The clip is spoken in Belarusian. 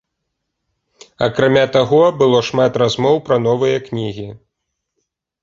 Акрамя таго, было шмат размоў пра новыя кнігі.